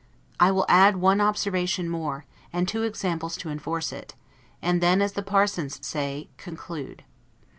I will add one observation more, and two examples to enforce it; and then, as the parsons say, conclude.